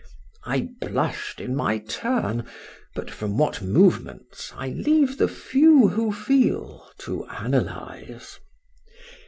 I blush'd in my turn; but from what movements, I leave to the few who feel, to analyze.